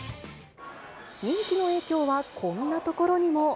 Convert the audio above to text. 人気の影響は、こんな所にも。